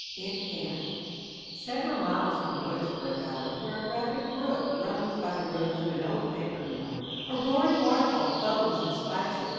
IN CAMP Several miles from Lloydsboro Valley, where a rapid brook runs by the ruins of an old paper mill, a roaring waterfall foams and splashes.